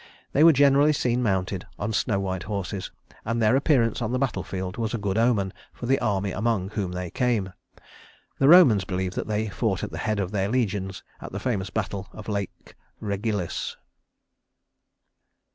They were generally seen mounted on snow white horses, and their appearance on the battle field was a good omen for the army among whom they came. The Romans believed that they fought at the head of their legions at the famous battle of Lake Regillus.